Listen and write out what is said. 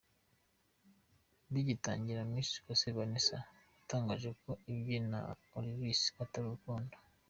Bigitangira, Miss Uwase Vanessa yatangaje ko ibye na Olvis atari urukundo.